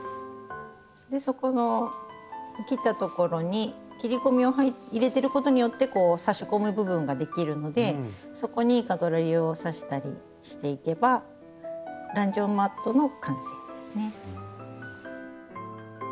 でそこの切ったところに切り込みを入れてることによってこう差し込む部分ができるのでそこにカトラリーを差したりしていけばランチョンマットの完成ですね。